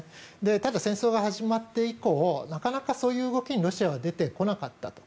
ただ、戦争が始まって以降なかなかそういう動きにロシアは出てこなかったと。